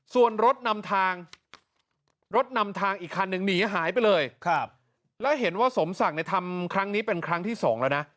ส่วนรถนำทางรถนำทางอีกคันหนึ่งหนีหายไปเลยแล้วเห็นว่าสมศักดิ์ในทำครั้งนี้เป็นครั้งที่สองแล้วนะ